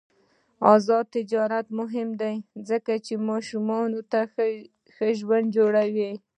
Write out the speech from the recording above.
آزاد تجارت مهم دی ځکه چې ماشومانو ته ښه ژوند جوړوي.